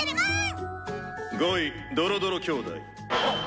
「５位ドロドロ兄弟。